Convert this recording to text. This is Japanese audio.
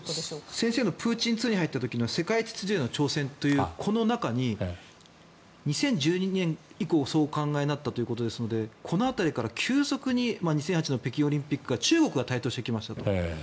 先生のプーチン２に入った時の世界秩序への挑戦というこの中に２０１２年以降そうお考えになったということですのでこの辺りから急速に２００８年の北京オリンピックで中国が台頭してきましたと。